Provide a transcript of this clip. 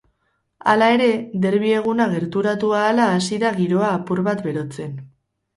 Hala ere, derbi eguna gerturatu ahala hasi da giroa apur bat berotzen.